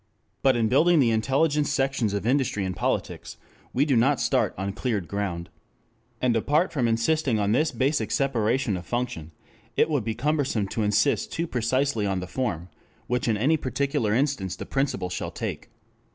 3 But in building the intelligence sections of industry and politics, we do not start on cleared ground. And, apart from insisting on this basic separation of function, it would be cumbersome to insist too precisely on the form which in any particular instance the principle shall take.